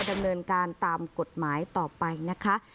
ดำเนินการตามกฎหมายต่อไปนะคะ